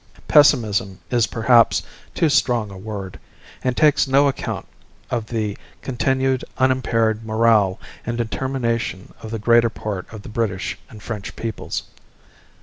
Pessimism is perhaps too strong a word, and takes no account of the continued unimpaired morale and determination of the greater part of the British and French peoples.